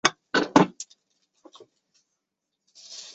我还有作业要写，我就先走了。